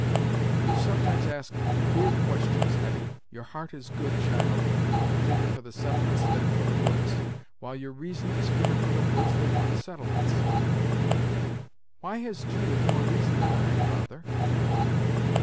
"You sometimes ask queer questions, Hetty! Your heart is good, child, and fitter for the settlements than for the woods; while your reason is fitter for the woods than for the settlements." "Why has Judith more reason than I, father?"